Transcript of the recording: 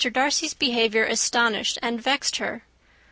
Darcy's behaviour astonished and vexed her.